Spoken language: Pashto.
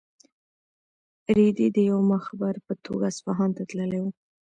رېدی د یو مخبر په توګه اصفهان ته تللی و.